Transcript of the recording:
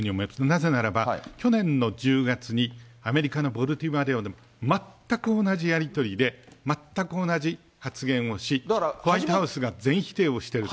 なぜならば、去年の１０月にアメリカので全く同じやり取りで、全く同じ発言をし、ホワイトハウスが全否定をしている。